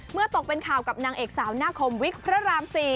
ตกเป็นข่าวกับนางเอกสาวหน้าคมวิกพระราม๔